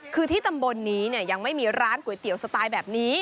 คือที่ตำบลนี้เนี่ยยังไม่มีร้านก๋วยเตี๋ยวสไตล์แบบนี้